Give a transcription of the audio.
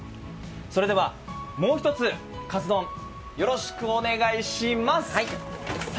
それではもう一つ、かつ丼、よろしくお願いします。